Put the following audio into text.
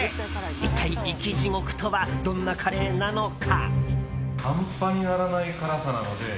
一体、生地獄とはどんなカレーなのか？